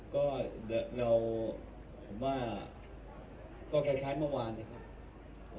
ก็เดี๋ยวเราผมว่าก็แค่ใช้เมื่อวานเลยครับ